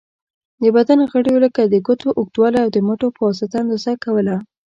د بدن غړیو لکه د ګوتو اوږوالی، او د مټو په واسطه اندازه کوله.